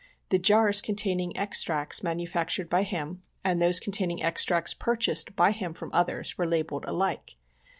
The jars containing extracts manufactured by him and those containing extracts purchased by him from others, were labelled alike.